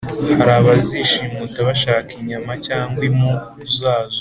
hari abazishimuta bashaka inyama cyangwa impu zazo.